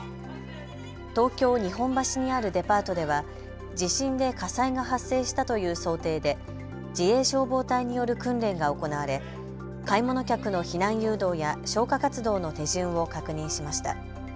東京日本橋にあるデパートでは地震で火災が発生したという想定で自衛消防隊による訓練が行われ買い物客の避難誘導や消火活動の手順を確認しました。